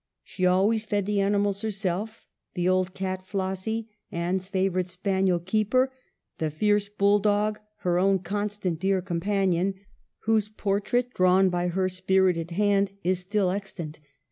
She always fed the animals herself : the old cat ; Flossy, Anne's favorite spaniel ; Keeper, the fierce bulldog, her own constant, dear companion, whose portrait, drawn by her spirited hand, is still extant.